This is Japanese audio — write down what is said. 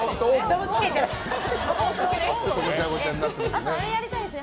あと、あれやりたいですね。